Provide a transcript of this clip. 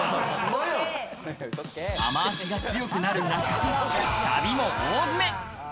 雨足が強くなる中、旅も大詰め。